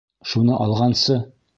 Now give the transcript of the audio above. Шуны алғансы...